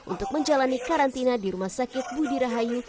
untuk menjalani karantina di rumah sakit budirahaya